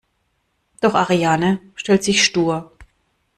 Doch Ariane stellt sich stur.